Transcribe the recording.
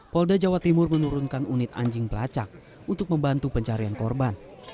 polda jawa timur menurunkan unit anjing pelacak untuk membantu pencarian korban